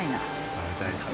食べたいですね。